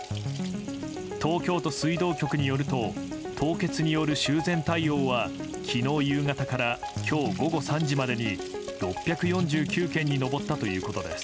東京都水道局によると凍結による修繕対応は昨日夕方から今日午後３時までに６４９件に上ったということです。